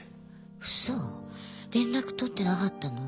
ウソ連絡とってなかったの？